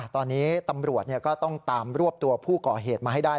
ตอนนี้ตำรวจก็ต้องตามรวบตัวผู้ก่อเหตุมาให้ได้